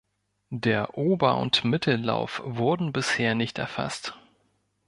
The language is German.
Der Ober- und Mittellauf wurden bisher nicht erfasst.